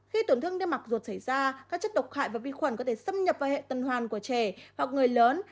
khi tổn thương đeo mặc ruột xảy ra các chất độc hại và vi khuẩn có thể xâm nhập vào hệ tần hoàn của trẻ hoặc người lớn